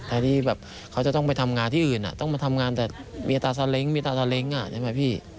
ที่แบบเขาจะต้องไปทำงานที่อื่นต้องมาทำงานแต่มีตาซาเล้งมีตาซาเล้งใช่ไหมพี่